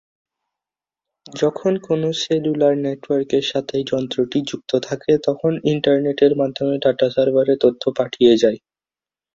যখন কোন সেলুলার নেটওয়ার্কের সাথে যন্ত্রটি যুক্ত থাকে তখন ইন্টারনেটের মাধ্যমে ডাটা সার্ভারে তথ্য পাঠিয়ে যেয়।